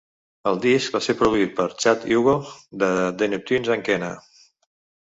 El disc va ser produït per Chad Hugo de The Neptunes and Kenna.